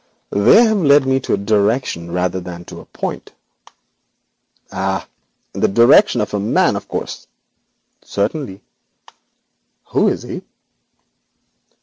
'They have led me in a direction rather than to a point.' 'Ah! In the direction of a man, of course?' 'Certainly.' 'Who is he?'